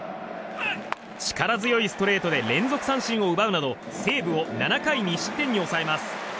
力強いストレートで連続三振を奪うなど西武を７回２失点に抑えます。